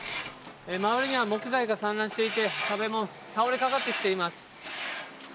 周りには木材が散乱していて壁も倒れかかってきています。